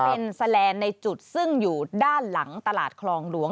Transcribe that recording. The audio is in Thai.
เป็นแสลนด์ในจุดซึ่งอยู่ด้านหลังตลาดคลองหลวง